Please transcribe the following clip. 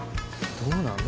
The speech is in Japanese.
どうなん？